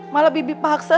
malah bibi paksa